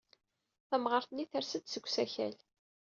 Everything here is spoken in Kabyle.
Tamɣart-nni ters-d seg usakal.